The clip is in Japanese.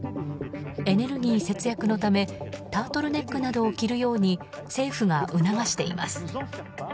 エネルギー節約のためタートルネックなどを着るように政府が促しています。